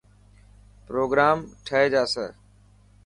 پروگرام ٺهي جاسي.